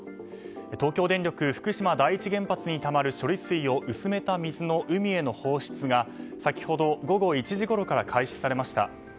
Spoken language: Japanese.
東京電力福島第一原発にたまる処理水を薄めた水の海への放出が先ほど午後１時ごろから開始されました。